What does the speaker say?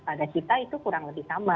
pada kita itu kurang lebih sama